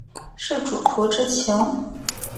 是主仆之情？